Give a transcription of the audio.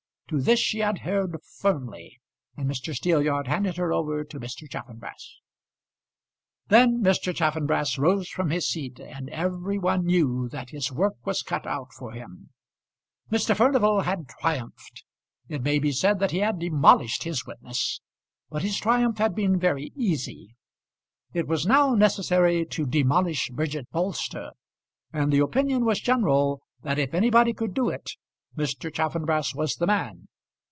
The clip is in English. To this she adhered firmly, and Mr. Steelyard handed her over to Mr. Chaffanbrass. [Illustration: Bridget Bolster in Court.] Then Mr. Chaffanbrass rose from his seat, and every one knew that his work was cut out for him. Mr. Furnival had triumphed. It may be said that he had demolished his witness; but his triumph had been very easy. It was now necessary to demolish Bridget Bolster, and the opinion was general that if anybody could do it Mr. Chaffanbrass was the man.